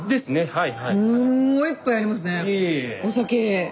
はい。